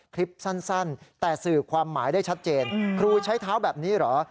คลิปสั้นแต่สืบความหมายได้ชัดเจน